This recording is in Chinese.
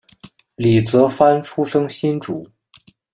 李泽藩出生新竹